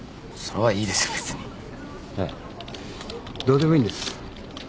ええどうでもいいんです。